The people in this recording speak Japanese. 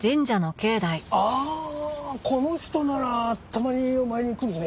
ああこの人ならたまにお参りに来るね。